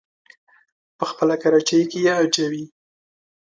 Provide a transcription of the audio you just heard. په خپله کراچۍ کې يې اچوي.